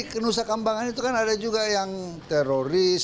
bukan kan di nusa kambangan itu kan ada juga yang teroris